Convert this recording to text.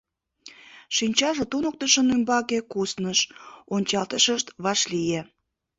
Шинчаже туныктышын ӱмбаке кусныш, ончалтышышт вашлие.